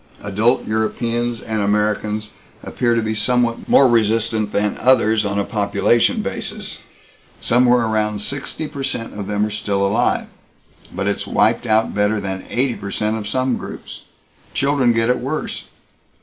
Adult Europeans and Americans appear to be somewhat more resistant than others on a population basis. Somewhere around sixty per cent of them are still alive, but it's wiped out better than eighty per cent of some groups. Children get it worse.